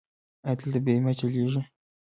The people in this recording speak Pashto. ایا دلته بیمه چلیږي؟